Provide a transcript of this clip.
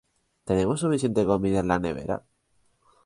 ¿Tenemos suficiente comida en la nevera?